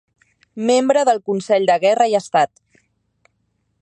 Membre del Consell de Guerra i Estat.